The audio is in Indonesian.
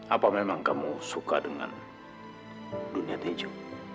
apa memang kamu suka dengan dunia teju